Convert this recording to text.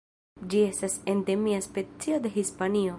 Ĝi estis endemia specio de Hispanio.